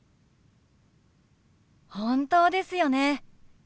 本当ですよね。